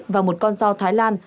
và một con sao thái lan